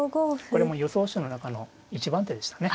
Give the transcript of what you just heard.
これも予想手の中の一番手でしたね。